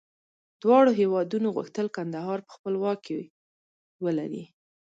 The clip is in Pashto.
دواړو هېوادونو غوښتل کندهار په خپل واک کې ولري.